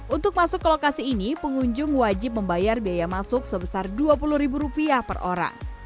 untuk masuk ke lokasi ini pengunjung wajib membayar biaya masuk sebesar dua puluh ribu rupiah per orang